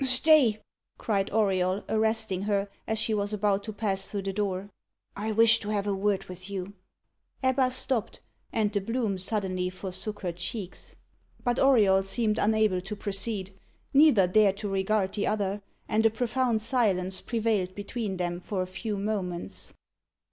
"Stay!" cried Auriol, arresting her, as she was about to pass through the door. "I wish to have a word with you." Ebba stopped, and the bloom suddenly forsook her cheeks. But Auriol seemed unable to proceed. Neither dared to regard the other; and a profound silence prevailed between them for a few moments.